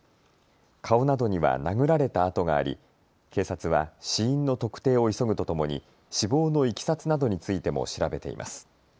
顔などには殴られた痕があり警察は死因の特定を急ぐとともに死亡のいきさつなどについても調べています。